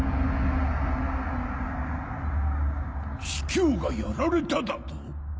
朱凶がやられただと？